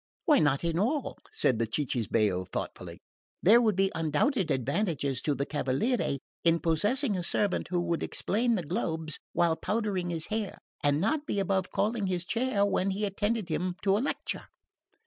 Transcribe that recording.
"Why not in all?" said the cicisbeo thoughtfully. "There would be undoubted advantages to the cavaliere in possessing a servant who would explain the globes while powdering his hair and not be above calling his chair when he attended him to a lecture."